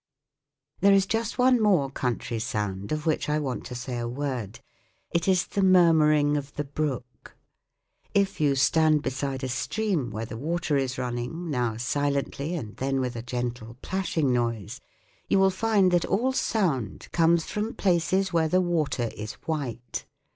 There is just one more country sound of which I want to say a word : it is the murmuring of the brook. If you stand beside a stream where the water is running, now silently and then with a gentle plashing noise, you will find that all sound comes from places where the water is white.